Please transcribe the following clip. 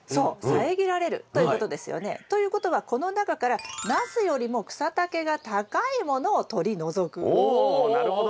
遮られるということですよね。ということはこの中からおなるほど！